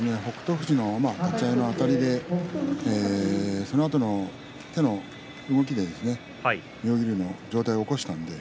富士の立ち合いのあたりでそのあとの手の動きで妙義龍の上体を起こしたんです。